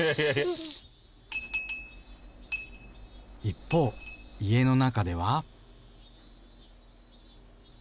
一方家の中では。